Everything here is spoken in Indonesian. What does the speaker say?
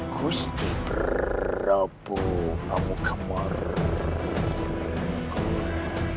kusti berapa kamu kemarin